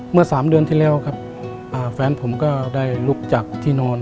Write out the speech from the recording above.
เมื่อ๓เดือนที่แล้วครับแฟนผมก็ได้ลุกจากที่นอน